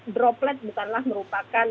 droplet bukanlah merupakan